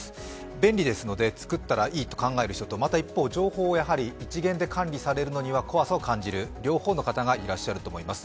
便利ですので作ったらいいと考える人とまた一方、情報を一元で管理されるのには怖さを感じる、両方の方がいると思います。